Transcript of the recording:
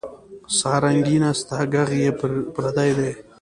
سارنګۍ نسته ږغ یې پردی دی